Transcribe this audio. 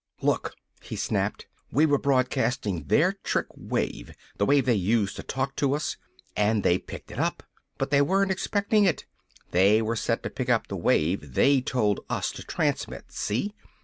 "Look!" he snapped. "We were broadcastin' their trick wave the wave they used to talk to us! And they picked it up! But they weren't expectin' it! They were set to pick up the wave they told us to transmit! See?